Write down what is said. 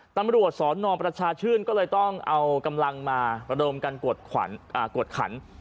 ตำรวจสนประชาชื่นก็เลยต้องเอากำลังมาระดมกันกวดขัน